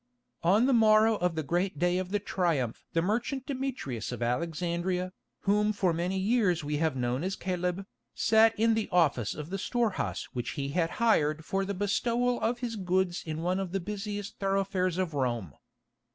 On the morrow of the great day of the Triumph the merchant Demetrius of Alexandria, whom for many years we have known as Caleb, sat in the office of the store house which he had hired for the bestowal of his goods in one of the busiest thoroughfares of Rome.